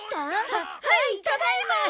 ははいただいま。